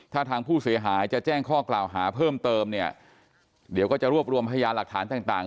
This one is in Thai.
ถ้าทางผู้เสียหายจะแจ้งข้อกล่าวหาเพิ่มเติมเนี่ยเดี๋ยวก็จะรวบรวมพยานหลักฐานต่างต่าง